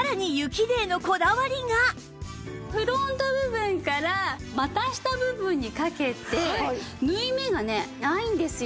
フロント部分から股下部分にかけて縫い目がねないんですよ。